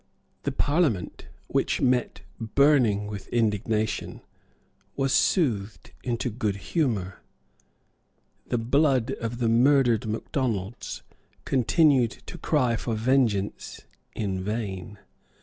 The Parliament, which met burning with indignation, was soothed into good humour. The blood of the murdered Macdonalds continued to cry for vengeance in vain.